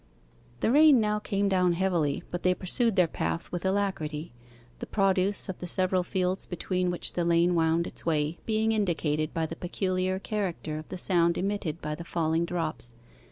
The rain now came down heavily, but they pursued their path with alacrity, the produce of the several fields between which the lane wound its way being indicated by the peculiar character of the sound emitted by the falling drops.